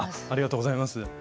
ありがとうございます。